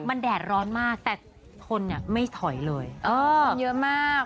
มันแดดร้อนมากแต่คนเนี่ยไม่ถอยเลยคนเยอะมาก